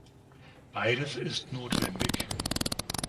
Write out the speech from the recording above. Beides ist notwendig.